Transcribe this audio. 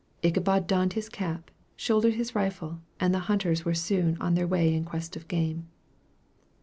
Ichabod donned his cap, shouldered his rifle, and the hunters were soon on their way in quest of game.